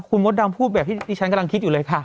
คุณมดดำพูดแบบที่ฉันกำลังคิดอยู่เลยค่ะ